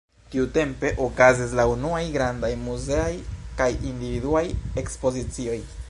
Tiutempe okazis la unuaj grandaj muzeaj kaj individuaj ekspozicioj.